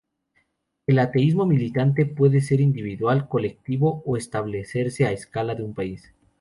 El ateísmo militante puede ser individual, colectivo o establecerse a escala de un país.